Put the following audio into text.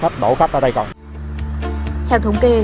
theo thống kê